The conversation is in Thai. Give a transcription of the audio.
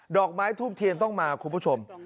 อกไม้ทูบเทียนต้องมาคุณผู้ชม